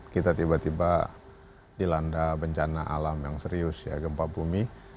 kita tiba tiba dilanda bencana alam yang serius ya gempa bumi